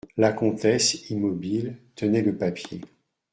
La comtesse, immobile, tenait le papier.